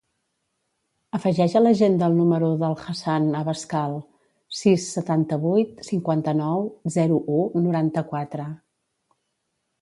Afegeix a l'agenda el número de l'Hassan Abascal: sis, setanta-vuit, cinquanta-nou, zero, u, noranta-quatre.